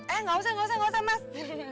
eh gak usah gak usah gak usah mas